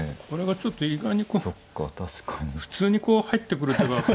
これがちょっと意外にこう普通にこう入ってくるから。